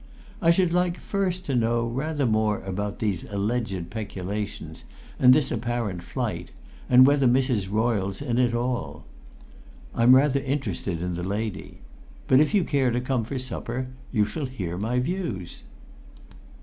I should like first to know rather more about these alleged peculations and this apparent flight, and whether Mrs. Royle's in it all. I'm rather interested in the lady. But if you care to come in for supper you shall hear my views."